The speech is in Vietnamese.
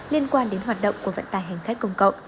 liên quan đến hoạt động của vận tải hành khách công cộng